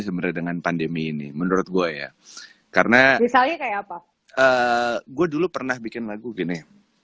sebenarnya dengan pandemi ini menurut gue ya karena misalnya kayak apa gue dulu pernah bikin lagu gini